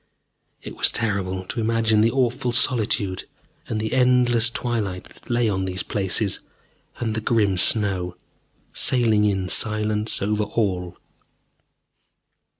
It was terrible to imagine the awful solitude and the endless twilight that lay on these places, and the grim snow, sailing in silence over all....